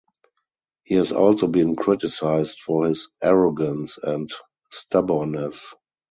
He has also been criticized for his arrogance and stubbornness.